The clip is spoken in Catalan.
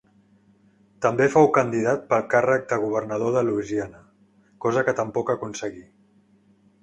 També fou candidat pel càrrec de Governador de Louisiana, cosa que tampoc aconseguí.